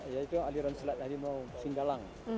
yaitu aliran selat harimau singgalang